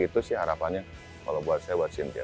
itu sih harapannya kalau buat saya buat sintia